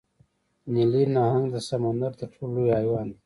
نیلي نهنګ د سمندر تر ټولو لوی حیوان دی